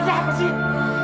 ya sudah manu